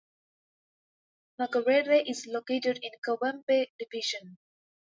Makerere is located in Kawempe Division.